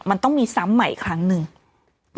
มันต้องมีซ้ำใหม่อีกครั้งหนึ่ง